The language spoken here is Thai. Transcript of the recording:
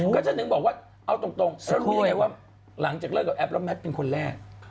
ก็จะถึงบอกว่าเอาตรงแล้วรู้ยังไงว่าหลังจากเลิกกับแอปแล้วแมทเป็นคนแรก